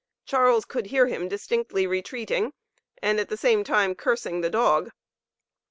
Charles could hear him distinctly retreating, and at the same time cursing the dog.